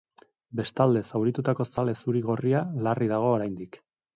Bestalde, zauritutako zale zuri-gorria larri dago oraindik.